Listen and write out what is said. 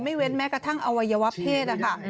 เว้นแม้กระทั่งอวัยวะเพศนะคะ